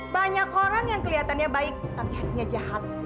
banyak orang yang kelihatannya baik tapi akhirnya jahat